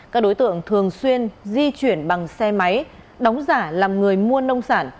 các đối tượng thường xuyên di chuyển bằng xe máy đóng giả làm người mua nông sản